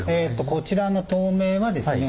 こちらの透明はですね